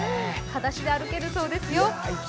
はだしで歩けるそうですよ。